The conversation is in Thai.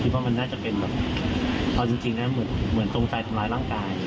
คิดว่ามันน่าจะเป็นเหมือนตอนจริงจริงนะฮะเหมือนเหมือนตรงใจทำร้ายร่างกาย